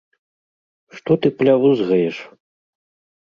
- Што ты плявузгаеш?